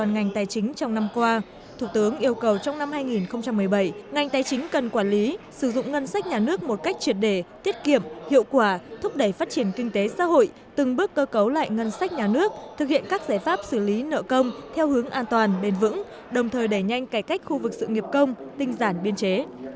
ngành tài chính cần quản lý sử dụng ngân sách nhà nước một cách truyệt đề tiết kiệm hiệu quả thúc đẩy phát triển kinh tế xã hội từng bước cơ cấu lại ngân sách nhà nước thực hiện các giải pháp xử lý nợ công theo hướng an toàn bền vững đồng thời đẩy nhanh cải cách khu vực sự nghiệp công tinh giản biên chế